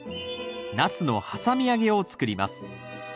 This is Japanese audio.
ナスのはさみ揚げを作ります。